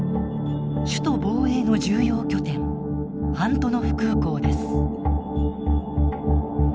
首都防衛の重要拠点アントノフ空港です。